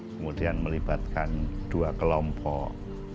kemudian melibatkan dua kelompok